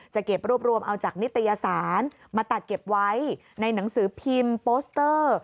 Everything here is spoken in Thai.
จะเก็บรวบรวมเอาจากนิตยสารมาตัดเก็บไว้ในหนังสือพิมพ์โปสเตอร์